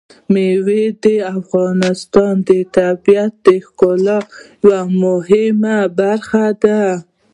مېوې د افغانستان د طبیعت د ښکلا یوه مهمه برخه ده.